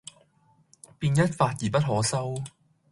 便一發而不可收，